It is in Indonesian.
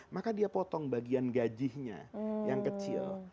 maka dia potong bagian gajinya yang kecil